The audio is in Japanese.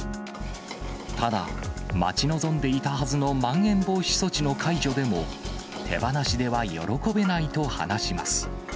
ただ、待ち望んでいたはずのまん延防止措置の解除でも、手放しでは喜べないと話します。